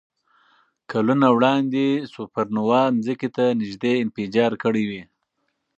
کلونه وړاندې سوپرنووا ځمکې ته نږدې انفجار کړی وي.